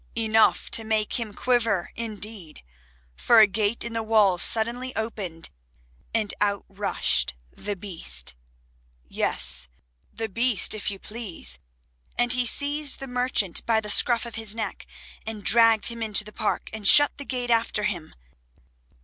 Enough to make him quiver indeed, for a gate in the wall suddenly opened, and out rushed the Beast. Yes, the Beast, if you please, and he seized the merchant by the scruff of his neck, and dragged him into the Park, and shut the gate after him.